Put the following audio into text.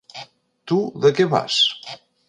Tu de què vas?